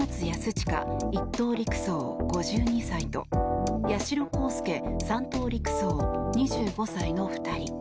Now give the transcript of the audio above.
親１等陸曹、５２歳と八代航佑３等陸曹、２５歳の２人。